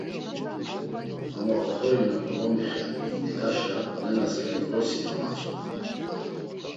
Ama oxori na molomixen him didaşa, nenasǩani vrosi domatzonen.